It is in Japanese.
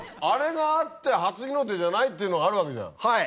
あれがあって初日の出じゃないっていうのがあるわけじゃん。